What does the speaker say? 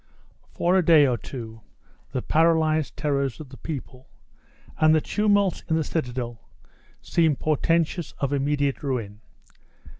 For a day or two the paralyzed terrors of the people, and the tumults in the citadel, seemed portentous of immediate ruin.